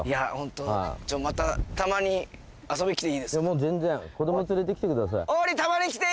もう全然子供連れてきてください。